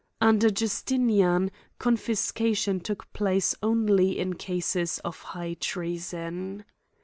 Under Justinian, confis. cation took place only in cases of high treason.